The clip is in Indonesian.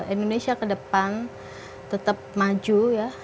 indonesia ke depan tetap maju ya